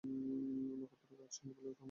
নক্ষত্ররায়, আজ সন্ধ্যাবেলায়–অন্ধকার হইলে।